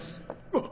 あっ！